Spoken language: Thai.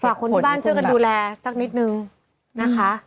คนที่บ้านช่วยกันดูแลสักนิดนึงนะคะ